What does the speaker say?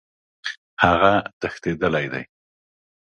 هغه تښتېدلی دی.